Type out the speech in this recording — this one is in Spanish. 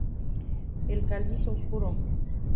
El cáliz oscuro.